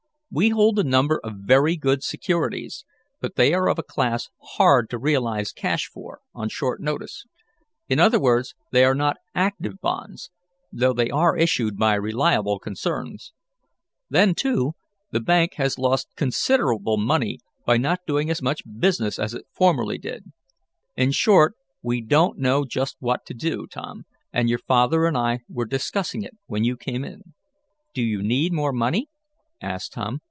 We hold a number of very good securities, but they are of a class hard to realize cash for, on short notice. In other words they are not active bonds, though they are issued by reliable concerns. Then, too, the bank has lost considerable money by not doing as much business as it formerly did. In short we don't know just what to do, Tom, and your father and I were discussing it, when you came in." "Do you need more money?" asked Tom.